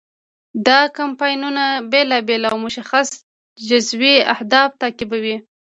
دا کمپاینونه بیلابیل او مشخص جزوي اهداف تعقیبوي.